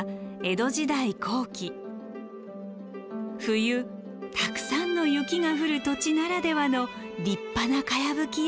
冬たくさんの雪が降る土地ならではの立派なかやぶき